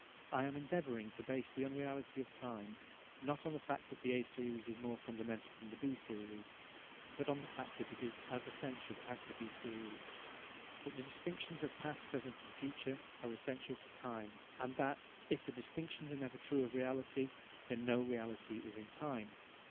I am endevouring to base the unreality of time, not on the fact that the A series is more fundamental than the B series, but on the fact that it is as essential as the B series that the distinctions of past, present and future are essential to time and that, if the distinctions are never true of reality, then no reality is in time.